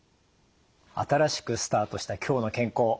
新しくスタートした「きょうの健康」。